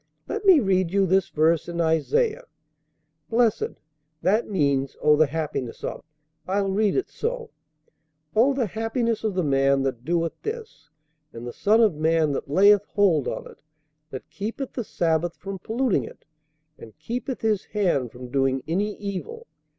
"Let me read you this verse in Isaiah: 'Blessed' that means, 'O the happiness of': I'll read it so 'O the happiness of the man that doeth this, and the son of man that layeth hold on it; that keepeth the sabbath from polluting it, and keepeth his hand from doing any evil.